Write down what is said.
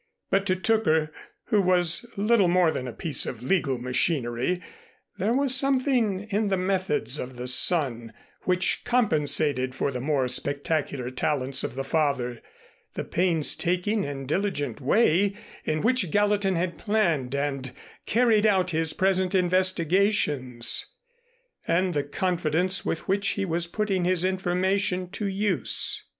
But to Tooker, who was little more than a piece of legal machinery, there was something in the methods of the son which compensated for the more spectacular talents of the father, the painstaking and diligent way in which Gallatin had planned and carried out his present investigations and the confidence with which he was putting his information to use.